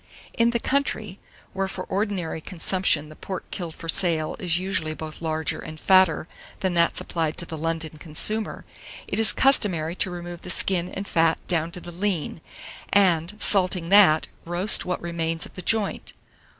791. IN THE COUNTRY, where for ordinary consumption the pork killed for sale is usually both larger and fatter than that supplied to the London consumer, it is customary to remove the skin and fat down to the lean, and, salting that, roast what remains of the joint.